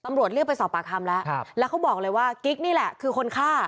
เรียกไปสอบปากคำแล้วแล้วเขาบอกเลยว่ากิ๊กนี่แหละคือคนฆ่า